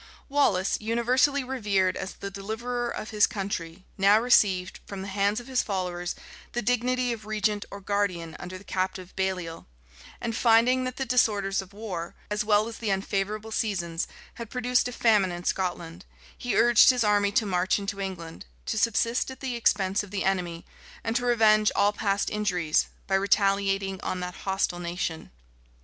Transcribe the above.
Wallace, universally revered as the deliverer of his country, now received, from the hands of his followers, the dignity of regent or guardian under the captive Baliol; and finding that the disorders of war, as well as the unfavorable seasons, had produced a famine in Scotland, he urged his army to march into England, to subsist at the expense of the enemy, and to revenge all past injuries, by retaliating on that hostile nation.